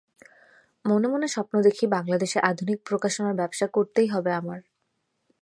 মনে মনে স্বপ্ন দেখি, বাংলাদেশে আধুনিক প্রকাশনার ব্যবসা করতেই হবে আমার।